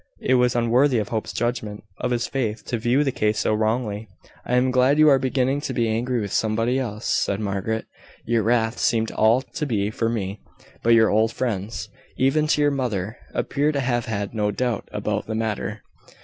It was unworthy of Hope's judgment of his faith to view the case so wrongly." "I am glad you are beginning to be angry with somebody else," said Margaret. "Your wrath seemed all to be for me: but your old friends, even to your mother, appear to have had no doubt about the matter."